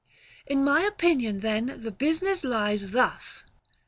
In my opinion then the business lies thus.